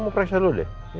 aku pernah kekurangan engga